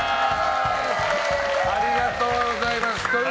ありがとうございます。